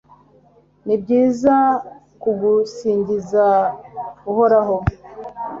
ni byiza kugusingiza, uhoraho